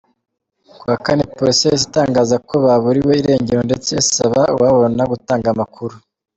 Kuwa Kane polisi yahise itangaza ko baburiwe irengero ndetse isaba uwababona gutanga amakuru.